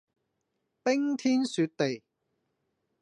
冰天雪地